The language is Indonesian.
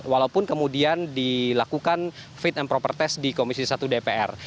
walaupun kemudian dilakukan fit and proper test di komisi satu dpr